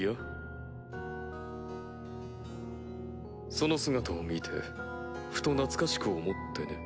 その姿を見てふと懐かしく思ってね。